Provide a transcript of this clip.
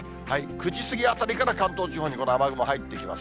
９時過ぎあたりから関東地方にこの雨雲入ってきます。